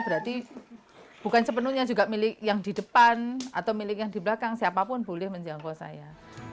berarti bukan sepenuhnya juga milik yang di depan atau milik yang di belakang siapapun boleh menjangkau saya